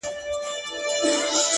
خو هغې دغه ډالۍ؛